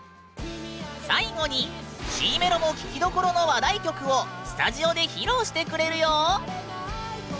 最後にＣメロも聴きどころの話題曲をスタジオで披露してくれるよ！